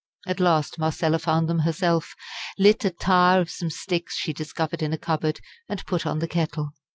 At last Marcella found them herself, lit a tire of some sticks she discovered in a cupboard, and put on the kettle.